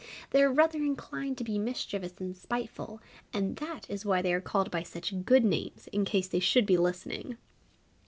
They are rather inclined to be mischievous and spiteful, and that is why they are called by such good names, in case they should be listening!